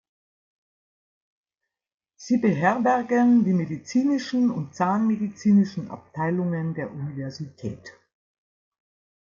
Sie beherbergen die medizinischen und zahnmedizinischen Abteilungen der Universität.